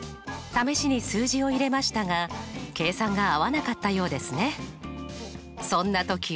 試しに数字を入れましたが計算が合わなかったようですね。